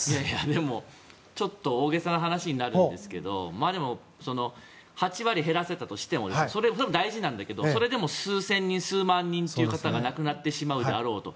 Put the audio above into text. でも、ちょっと大げさな話になるんですが８割減らせたとしてもそれでも大事なんだけどそれでも数千人、数万人という方が亡くなってしまうであろうと。